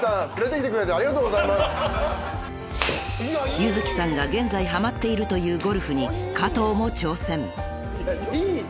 ［柚月さんが現在ハマっているというゴルフに加藤も挑戦］